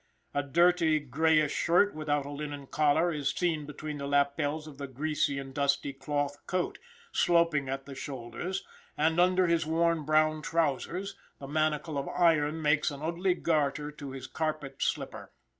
A dirty grayish shirt without a linen collar, is seen between the lapels of the greasy and dusty cloth coat, sloping at the shoulders; and under his worn brown trowsers, the manacle of iron makes an ugly garter to his carpet clipper.